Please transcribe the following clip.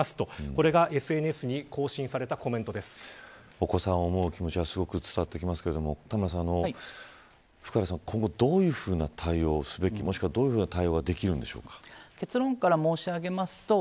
お子さんを思う気持ちはすごく伝わってきますが田村さん福原さんは今後どういうふうな対応をすべき、もしくはどういうふうな対応ができるんでしょうか。